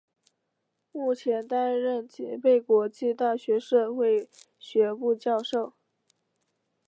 目前担任吉备国际大学社会学部教授。